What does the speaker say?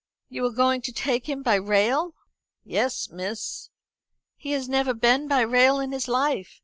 "You are going to take him by rail?" "Yes, miss." "He has never been by rail in his life.